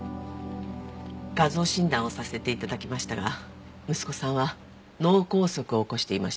画像診断をさせて頂きましたが息子さんは脳梗塞を起こしていました。